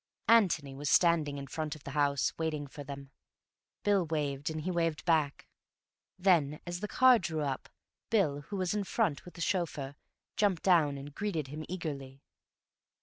Antony was standing in front of the house, waiting for them. Bill waved, and he waved back. Then as the car drew up, Bill, who was in front with the chauffeur, jumped down and greeted him eagerly.